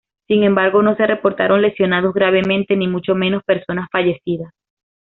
Sin embargo, no se reportaron lesionados gravemente ni mucho menos, personas fallecidas.